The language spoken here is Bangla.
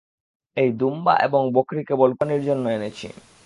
এই দুম্বা এবং বকরী কেবল কুরবানীর জন্য এনেছি।